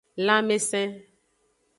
Lanmesen.